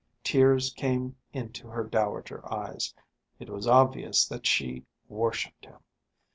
Tears came into her dowager eyes. It was obvious that she worshipped him.